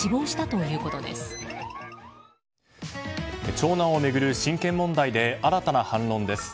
長男を巡る親権問題で新たな反論です。